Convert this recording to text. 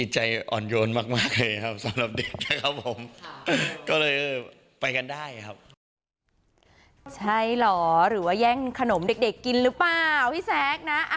ใช่เหรอหรือว่าแย่งขนมเด็กกินหรือเปล่าพี่แซคนะ